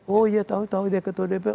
oh iya tahu tahu dia ketua dpr